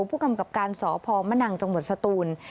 ผู้กำกับการสพมนังจังหวัดสตูน